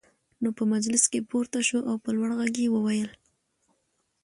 نو په مجلس کې پورته شو او په لوړ غږ يې وويل: